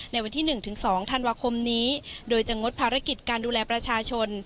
ในวันที่๑๒ธันวาคมนี้โดยจะงดภารกิจการดูแลประชาชน